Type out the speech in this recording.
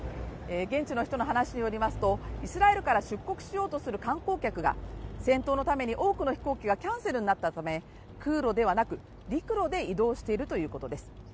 現地の人の話によりますと、イスラエルから出国しようとする観光客が戦闘のために多くの飛行機がキャンセルになったため、空路ではなく陸路で移動しているということです。